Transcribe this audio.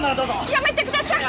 やめてください！